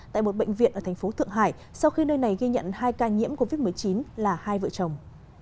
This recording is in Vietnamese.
tại một bệnh viện ở thành phố thượng hải sau khi nơi này ghi nhận hai ca nhiễm covid một mươi chín là hai vợ chồng